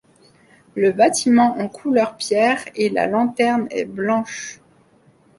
Le bâtiment en couleur pierre et la lanterne est blanche.